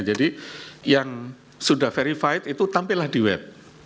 jadi yang sudah verified itu tampillah di web